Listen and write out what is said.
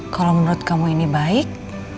kalau menurut kamu ini baik